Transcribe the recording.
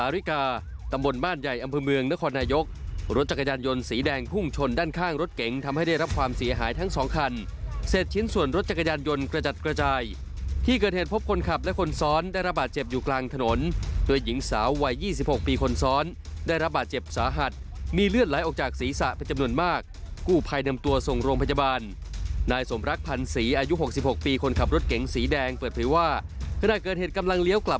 รถจักรยานยนต์สีแดงพุ่งชนด้านข้างรถเก๋งทำให้ได้รับความเสียหายทั้งสองคันเสร็จชิ้นส่วนรถจักรยานยนต์กระจัดกระจายที่เกิดเห็นพบคนขับและคนซ้อนได้รับบาดเจ็บอยู่กลางถนนโดยหญิงสาววัยยี่สิบหกปีคนซ้อนได้รับบาดเจ็บสาหัสมีเลือดไหลออกจากศีรษะประจำนวนมากกู้ไพรนำตัว